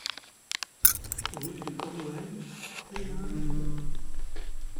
Rue de Cornouaille, Pleslin-Trigavou